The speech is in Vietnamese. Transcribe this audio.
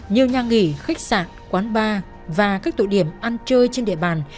nhiều nhà nghỉ khách sạn quán bar và các tụ điểm ăn chơi trên địa bàn